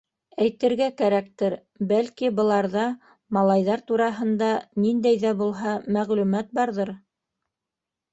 Әйтергә кәрәктер, бәлки, быларҙа малайҙар тураһында ниндәй ҙә булһа мәғлүмәт барҙыр...